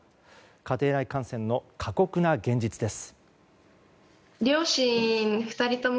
家庭内感染の過酷な現実です。